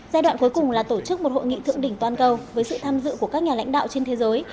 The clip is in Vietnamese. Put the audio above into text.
giai đoạn cuối cùng là tổ chức một hội nghị thượng đỉnh toàn cầu với sự tham dự của các nhà lãnh đạo trên thế giới